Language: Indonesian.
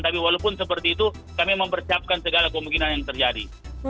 tapi walaupun seperti itu kami mempersiapkan segala kemungkinan yang terjadi